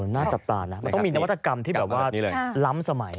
น่าจะต่างนะมันต้องมีนวัตกรรมที่ล้ำสมัย